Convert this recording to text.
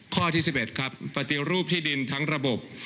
ข้อที่๑๑ครับปฏิรูปที่ดินทั้งระบบ